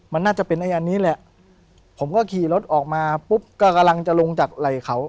มันน่าจะเป็นไอ้อันนี้แหละผมก็ขี่รถออกมาปุ๊บก็กำลังจะลงจากไหล่เขา